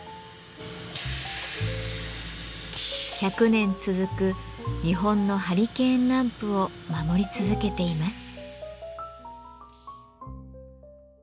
１００年続く日本のハリケーンランプを守り続けています。